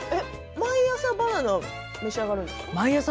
毎朝バナナを召し上がるんですか。